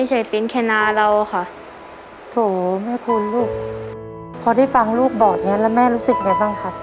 ช่วยแม่ทำทุกอย่างค่ะ